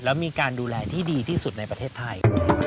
แล้วมีการดูแลที่ดีที่สุดในประเทศไทย